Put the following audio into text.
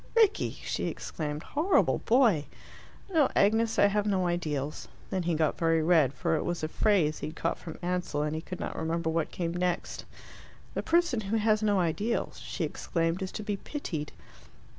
"Rickie!" she exclaimed. "Horrible boy!" "No, Agnes, I have no ideals." Then he got very red, for it was a phrase he had caught from Ansell, and he could not remember what came next. "The person who has no ideals," she exclaimed, "is to be pitied."